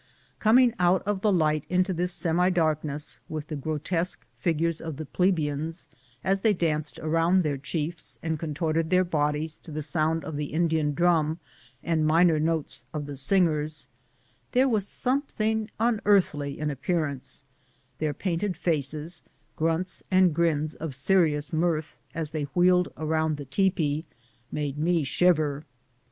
Coming out of the light into this semi darkness, with the grotesque figures of the plebeians, as they danced around their chiefs and contorted their bodies to the CAMPING AMONG THE SIOUX. 51 sound of the Indian drum and minor notes of the singers, made it something unearthly in appearance ; their painted faces, grunts and grins of serious mirth as they wheeled around the tepee, made me shiver.